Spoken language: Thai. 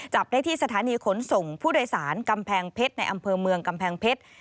จับได้ที่สถานีขนส่งผู้โดยสารกำแพงเพชรในอำเภอเมืองกำแพงเพชร